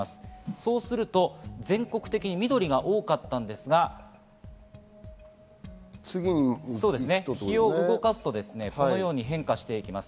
そうすると全国的に緑が多かったんですが、日を動かすと、このように変化していきます。